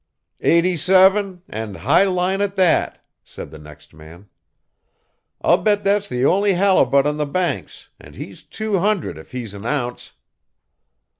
"Eighty seven, and high line at that!" said the next man. "I'll bet that's the only halibut on the Banks, and he's two hundred if he's an ounce."